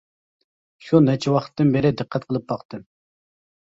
-شۇ نەچچە ۋاقىتتىن بېرى دىققەت قىلىپ باقتىم.